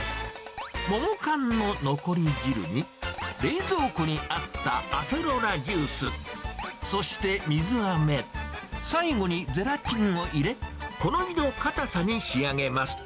桃缶の残り汁に、冷蔵庫にあったアセロラジュース、そして水あめ、最後にゼラチンを入れ、好みの硬さに仕上げます。